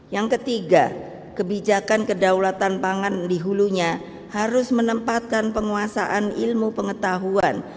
yang ketiga kebijakan kedaulatan pangan di hulunya harus menempatkan penguasaan ilmu pengetahuan